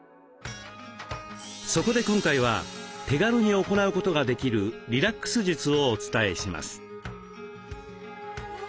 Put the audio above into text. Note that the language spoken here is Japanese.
そこで今回は手軽に行うことができるリラックス術をお伝えします。